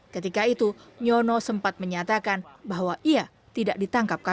ketika itu nyono sempat menyatakan bahwa ia tidak ditangkap kpk